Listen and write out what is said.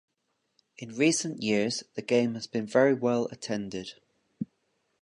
In recent years, the game has been very well attended.